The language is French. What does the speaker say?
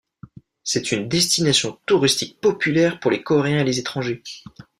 C'est une destination touristique populaire pour les Coréens et les étrangers.